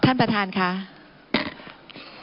ท่านประธานค่ะ